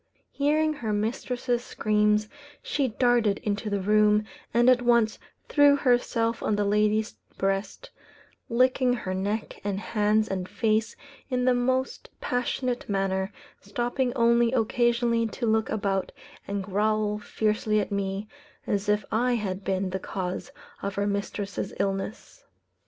Hearing her mistress's screams, she darted into the room, and at once threw herself on the lady's breast, licking her neck and hands and face in the most passionate manner, stopping only occasionally to look about and growl fiercely at me, as if I had been the cause of her mistress's illness.